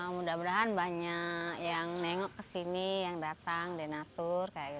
mudah mudahan banyak yang nengok ke sini yang datang donatur